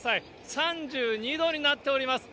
３２度になっております。